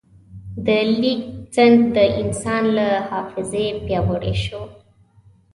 د لیک سند د انسان له حافظې پیاوړی شو.